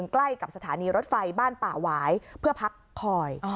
ใกล้กับสถานีรถไฟบ้านป่าหวายเพื่อพักคอย